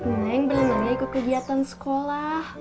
neng belum nanya ikut kegiatan sekolah